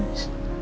bisa jagain aku